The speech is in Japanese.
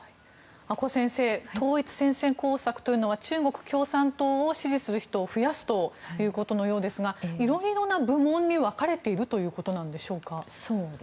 阿古先生統一戦線工作というのは中国共産党を支持する人を増やすということのようですがいろいろな部門に分かれているということでしょうか。